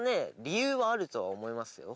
理由はあるとは思いますよ